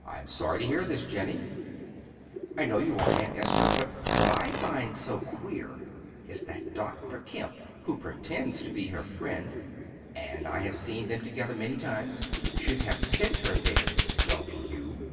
"I am sorry to hear this, Jennie." "I know you are, Aunt Esther. But what I find so very queer is that Dr. Kemp, who pretends to be her friend, and I have seen them together many times, should have sent her there. Don't you?"